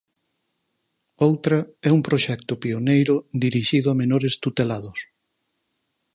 Outra é un proxecto pioneiro dirixido a menores tutelados.